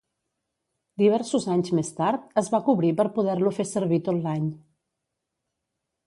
Diversos anys més tard es va cobrir per poder-lo fer servir tot l'any.